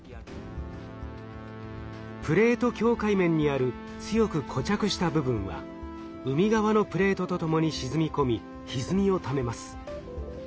プレート境界面にある強く固着した部分は海側のプレートとともに沈み込みひずみをためます。